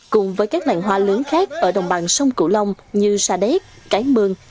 cùng với các làng hoa lớn khác ở đồng bằng sông cửu long như sa đéc cái mương